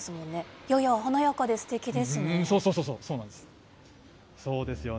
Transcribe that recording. いやいや、華やかですてきですね。